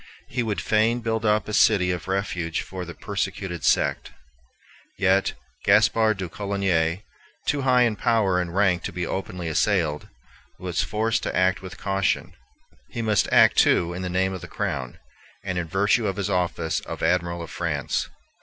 He would fain build up a city of refuge for the persecuted sect. Yet Gaspar de Coligny, too high in power and rank to be openly assailed, was forced to act with caution. He must act, too, in the name of the Crown, and in virtue of his office of Admiral of France.